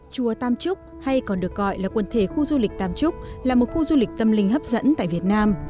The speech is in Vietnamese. chùa tam trúc hay còn được gọi là quần thể khu du lịch tam trúc là một khu du lịch tâm linh hấp dẫn tại việt nam